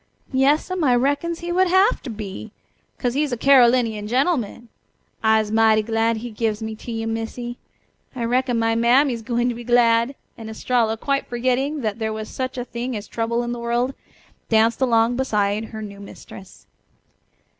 "Yas'm, I reckons he would hafter be, 'cos he's a Carolinian gen'man. I'se mighty glad he gives me to you, Missy. I reckon my mammy's gwine to be glad," and Estralla, quite forgetting that there was such a thing as trouble in the world, danced along beside her new mistress.